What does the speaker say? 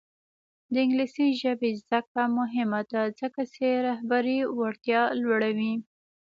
د انګلیسي ژبې زده کړه مهمه ده ځکه چې رهبري وړتیا لوړوي.